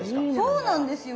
そうなんですよ。